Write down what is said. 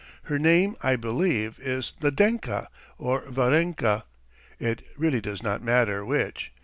Her name, I believe, is Nadenka or Varenka, it really does not matter which.